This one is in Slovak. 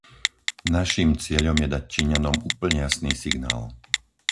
Naším cieľom je dať Číňanom úplne jasný signál.